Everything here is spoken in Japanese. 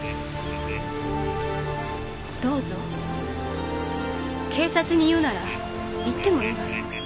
どうぞ警察に言うなら言ってもいいわよ。